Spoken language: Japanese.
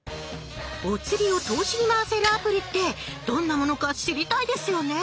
おつりを投資に回せるアプリってどんなものか知りたいですよね？